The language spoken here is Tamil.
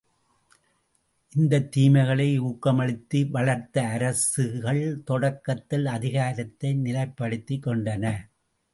இந்தத் தீமைகளை ஊக்கமளித்து வளர்த்த அரசுகள் தொடக்கத்தில் அதிகாரத்தை நிலைப்படுத்திக் கொண்டன.